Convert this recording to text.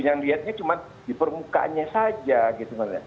yang lihatnya cuma di permukaannya saja gitu maksudnya